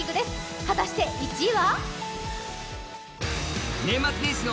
果たして、１位は？